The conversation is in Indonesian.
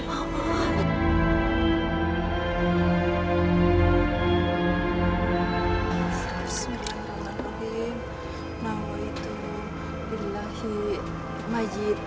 ya aku juga